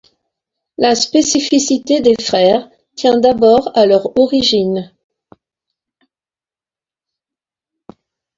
La spécificité des frères tiens d'abord à leur origine.